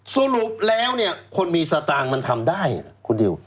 สรุปแล้วเนี่ยคนมีสตางค์มันทำได้คุณดิว